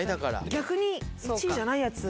逆に１位じゃないやつ。